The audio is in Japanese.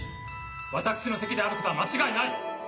私の席であることは間違いない！